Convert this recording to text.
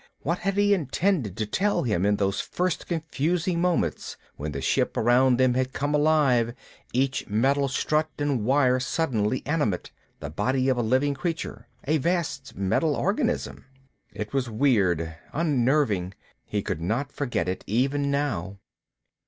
What had he intended to tell him, in those first confusing moments when the ship around them had come alive, each metal strut and wire suddenly animate, the body of a living creature, a vast metal organism? It was weird, unnerving. He could not forget it, even now.